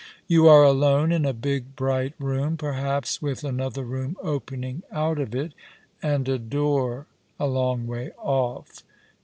You are alone in a big, bright room, perhaps, with another room opening out of it, and a door a long way off.